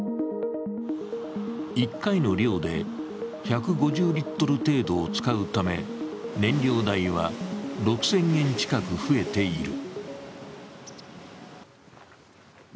１回の漁で１５０リットル程度を使うため燃料代は６０００円近く増えている。